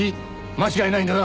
間違いないんだな？